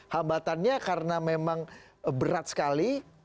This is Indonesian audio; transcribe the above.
hambatannya karena memang berat sekali